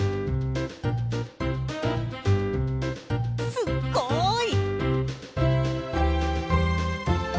すっごい！